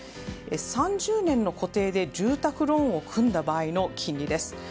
３０年の固定で住宅ローンを組んだ場合の金利です。